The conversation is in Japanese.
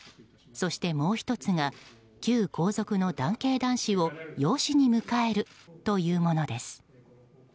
そして、もう１つが旧皇族の男系・男子を養子に迎えるというものです。